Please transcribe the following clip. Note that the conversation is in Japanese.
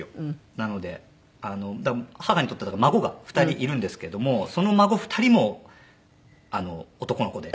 なのでだから母にとっては孫が２人いるんですけどもその孫２人も男の子で。